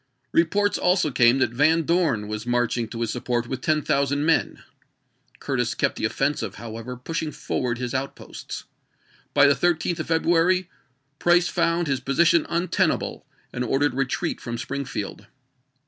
Re ports also came that Van Dorn was marching to his support with ten thousand men. Curtis kept the offensive, however, pushing forward his out posts. By the 13th of February Price found his position untenable and ordered a retreat from Springfield.